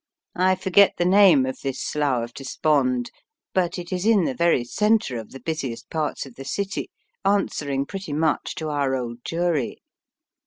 I forget the name of this Slough of Despond, but it is in the very centre of the busiest parts of the city, answering pretty much to our Old Jewry.